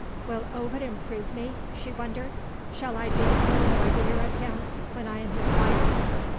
"Will Ovid improve me?" she wondered. "Shall I be a little worthier of him, when I am his wife?"